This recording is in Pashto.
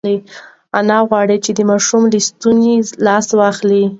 انا غوښتل چې د ماشوم له ستوني لاس واخلي.